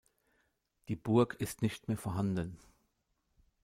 Die Burg ist nicht mehr vorhanden.